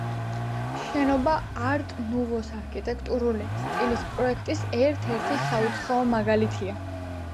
შენობა არტ-ნუვოს არქიტექტურული სტილის პროექტის ერთ-ერთი საუცხოო მაგალითია.